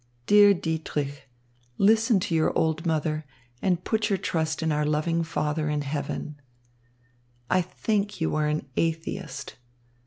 Dear Dietrich, listen to your old mother and put your trust in our loving Father in heaven. I think you are an atheist.